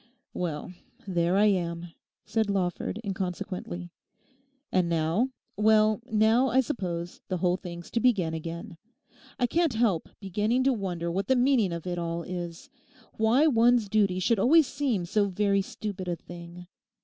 'Well, there I am,' said Lawford inconsequently. 'And now; well, now, I suppose, the whole thing's to begin again. I can't help beginning to wonder what the meaning of it all is; why one's duty should always seem so very stupid a thing.